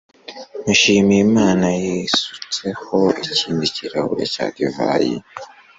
Mushimiyimana yisutseho ikindi kirahure cya divayi